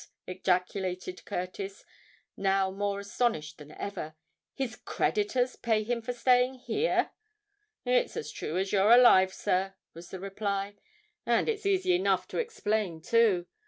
ejaculated Curtis, now more astonished than ever. "His creditors pay him for staying here!" "It's as true as you're alive, sir," was the reply; "and it's easy enough to explain, too.